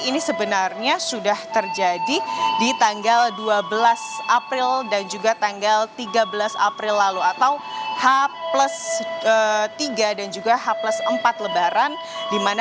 ini sebenarnya sudah terjadi di tanggal dua belas april dan juga tanggal tiga belas april lalu atau h tiga dan juga h empat lebaran